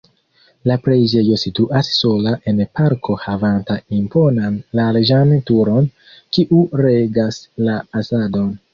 La preĝejo situas sola en parko havanta imponan larĝan turon, kiu regas la fasadon.